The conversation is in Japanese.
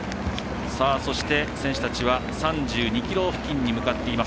そして、選手たちは３２ｋｍ付近に向かっています。